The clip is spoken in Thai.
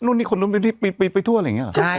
นู่นนี่คนนู้นเป็นที่ไปทั่วอะไรอย่างนี้เหรอ